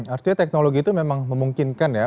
artinya teknologi itu memang memungkinkan ya